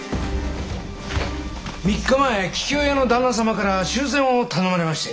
３日前桔梗屋の旦那様から修繕を頼まれまして。